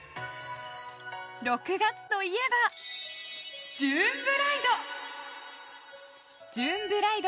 ６月といえばジューンブライド。